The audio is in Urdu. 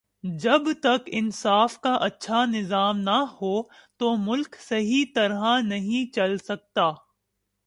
جب تک انصاف کا اچھا نظام نہ ہو تو ملک صحیح طرح نہیں چل سکتا